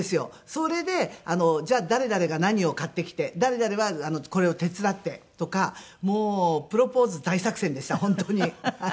それでじゃあ誰々が何を買ってきて誰々はこれを手伝ってとかもうプロポーズ大作戦でした本当に。